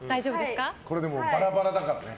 バラバラだからね。